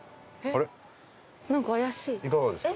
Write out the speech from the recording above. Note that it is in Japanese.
いかがですか？